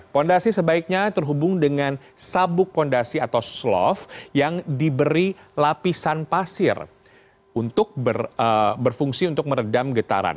fondasi sebaiknya terhubung dengan sabuk fondasi atau slove yang diberi lapisan pasir untuk berfungsi untuk meredam getaran